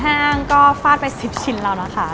ห้างก็ฟาดไป๑๐ชิ้นแล้วนะคะ